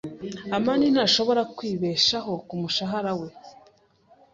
amani ntashobora kwibeshaho kumushahara we.